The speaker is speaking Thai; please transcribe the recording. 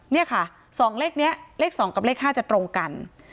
นี่ค่ะ๒เลขนี้เลข๒กับเลข๕จะตรงกัน